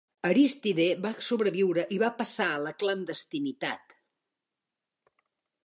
Aristide va sobreviure i va passar a la clandestinitat.